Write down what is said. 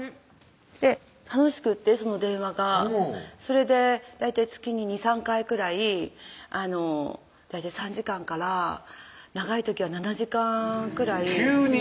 楽しくってその電話がそれで大体月に２３回くらい大体３時間から長い時は７時間くらい急に？